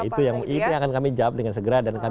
itu yang akan kami jawab dengan segera dan kami